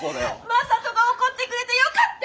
正門が怒ってくれてよかった！